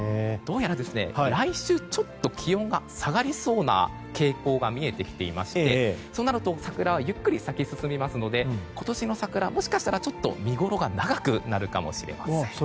どうやら来週、ちょっと気温が下がりそうな傾向が見えてきていましてそうなると桜はゆっくり咲き進みますので今年の桜はもしかしたら見ごろが長くなるかもしれません。